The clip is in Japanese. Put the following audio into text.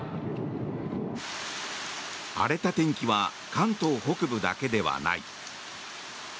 荒れた天気は関東北部だけではない。